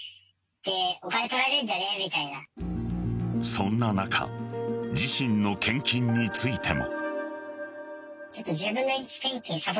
そんな中自身の献金についても。